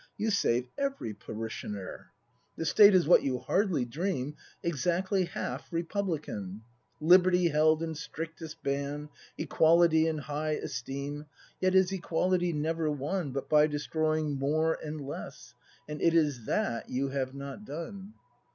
You save every Parishioner. ACT V] BRAND 239 The State is (what you hardly dream) Exactly half republican: Liberty held in strictest ban, Equality in high esteem. Yet is Equality never won But by destroying More and Less,— And it is that you have not done!